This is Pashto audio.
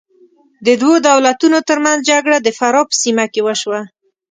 د دوو دولتونو تر منځ جګړه د فراه په سیمه کې وشوه.